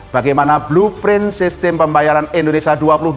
bagaimana blueprint sistem pembayaran indonesia dua ribu dua puluh